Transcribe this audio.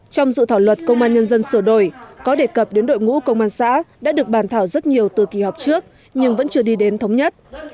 trong dự thảo luật công an nhân dân sửa đổi có đề cập đến đội ngũ công an xã đã được bàn thảo rất nhiều từ kỳ họp trước nhưng vẫn chưa đi đến thống nhất